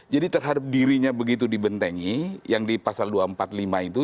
jadi terhadap dirinya begitu dibentengi yang di pasal dua ratus empat puluh lima itu